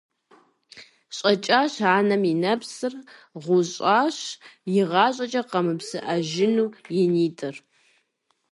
ЩӀэкӀащ анэм и нэпсыр, гъущӀащ, игъащӀэкӀэ къэмыпсыӀэжыну и нитӏыр.